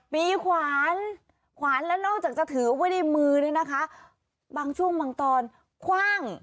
ขวานขวานแล้วนอกจากจะถือไว้ในมือเนี่ยนะคะบางช่วงบางตอนคว่าง